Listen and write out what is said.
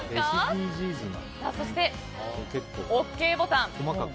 そして、ＯＫボタン。